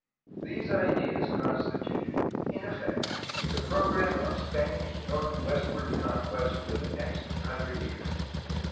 These ideas constituted in effect the program of Spanish northwestward conquest for the next hundred years.